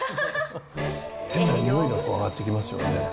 変なにおいが上がってきますよね。